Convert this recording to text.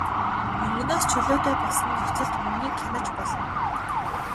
Мөнгөнөөс чөлөөтэй болсон нөхцөлд мөнгийг хянаж болно.